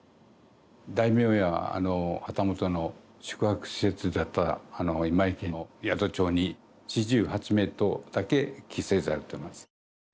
大名や旗本の宿泊施設だった今井家の宿帳に「主従八名」とだけ記載されてます。